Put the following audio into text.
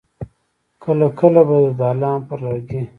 کله کله به د دالان پر لرګي.